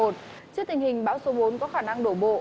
trước tình hình bão số bốn có khả năng đổ bộ